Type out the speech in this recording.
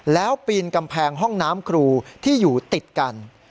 แล้วปีนกำแพงห้องน้ำครูที่อยู่ติดกัน